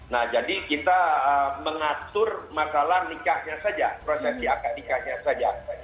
nah jadi kita mengatur masalah nikahnya saja prosesi akad nikahnya saja